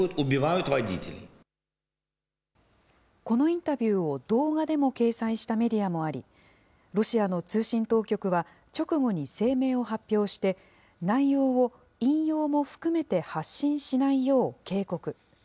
このインタビューを動画でも掲載したメディアもあり、ロシアの通信当局は、直後に声明を発表して、内容を引用も含めて発信しないよう警告。